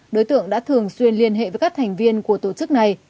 đối tượng đã thường xuyên liên hệ với các thành viên của tổ chức này